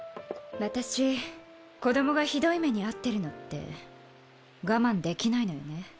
私子どもがひどい目に遭ってるのって我慢できないのよね。